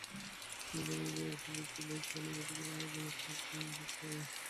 সংবিধান অনুযায়ী, এসব ব্যক্তি ব্যবসা-বাণিজ্য থেকে কোনোরূপ মুনাফা অর্জন করতে পারেন না।